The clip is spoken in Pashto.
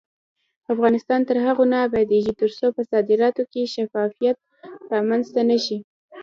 افغانستان تر هغو نه ابادیږي، ترڅو په صادراتو کې شفافیت رامنځته نشي.